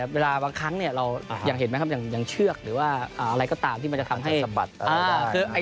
เวลาบางครั้งเรายังเห็นมั้ยครับอย่างเชือกหรือว่าอะไรก็ตามที่มันจะทำให้